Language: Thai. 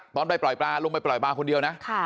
ตอนไปปล่อยปลาลงไปปล่อยปลาคนเดียวนะ